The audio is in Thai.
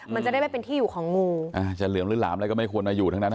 มันจะได้ไม่เป็นที่อยู่ของงูอาจจะเหลืองหรือหลามอะไรก็ไม่ควรมาอยู่ทั้งนั้นอ่ะ